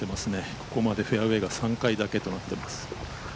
ここまでフェアウエーが３回になってます。